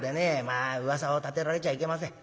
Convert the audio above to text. まあ噂を立てられちゃいけません。